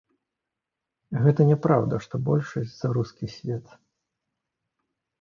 Гэта няпраўда, што большасць за рускі свет.